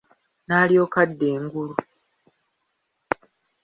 Naalyoka adda engulu!